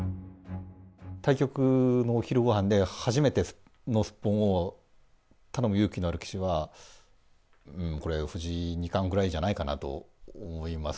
対局のお昼ごはんで初めてのすっぽんを頼む勇気のある棋士は、これ、藤井二冠ぐらいじゃないかなと思います。